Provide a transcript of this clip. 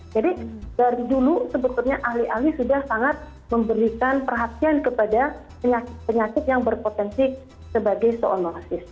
jadi dari dulu sebetulnya ahli ahli sudah sangat memberikan perhatian kepada penyakit yang berpotensi sebagai soonosis